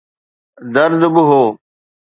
درد به هو.